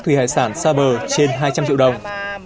thủy hải sản xa bờ trên hai trăm linh triệu đồng